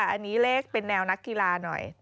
อันนี้เลขเป็นแนวนักกีฬาหน่อย